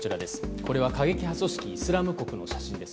これは過激派組織イスラム国の写真です。